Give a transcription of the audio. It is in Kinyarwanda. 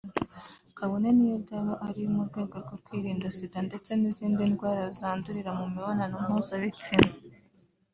kabone niyo byaba ari mu rwego rwo kwirinda Sida ndetse n’izindi ndwara zandurirwa mu mibonano mpuzabitsina